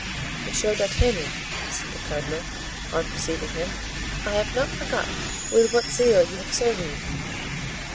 "Monsieur d'Artagnan," said the cardinal, on perceiving him, "I have not forgotten with what zeal you have served me.